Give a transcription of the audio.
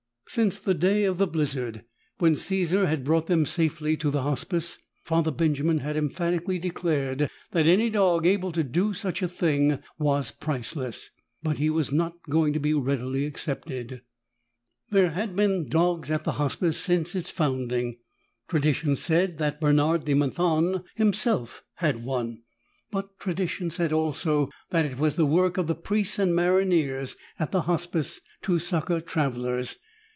Since the day of the blizzard, when Caesar had brought them safely to the Hospice, Father Benjamin had emphatically declared that any dog able to do such a thing was priceless. But he was not going to be readily accepted. There had been dogs at the Hospice since its founding; tradition said that Bernard de Menthon himself had had one. But tradition said also that it was the work of the priests and maronniers at the Hospice to succor travelers.